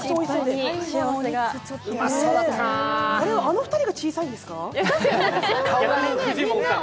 あれは、あの２人が小さいんですか？